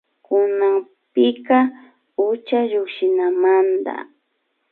Kunanpika ucha llukshinamanda